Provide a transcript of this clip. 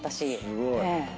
すごい。